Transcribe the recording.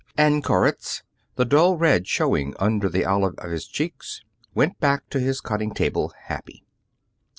And Koritz, the dull red showing under the olive of his cheeks, went back to his cutting table happy.